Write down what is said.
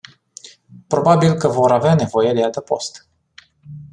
Probabil că vor avea nevoie de adăpost.